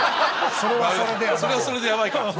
それはそれでヤバいか。